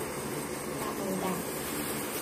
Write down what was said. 百慕達